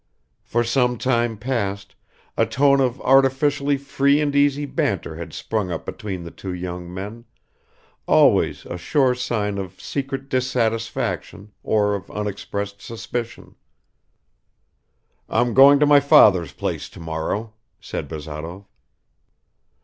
'" For some time past a tone of artificially free and easy banter had sprung up between the two young men, always a sure sign of secret dissatisfaction or of unexpressed suspicion. "I'm going to my father's place tomorrow," said Bazarov.